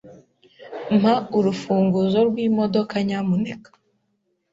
Mpa urufunguzo rwimodoka, nyamuneka.